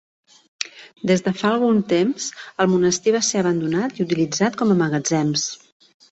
Des de fa algun temps el monestir va ser abandonat, i utilitzat com a magatzems.